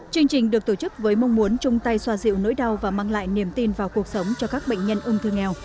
chương trình được tổ chức với mong muốn chung tay xoa dịu nỗi đau và mang lại niềm tin vào cuộc sống cho các bệnh nhân ung thư nghèo